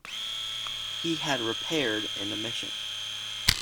He had repaired an omission.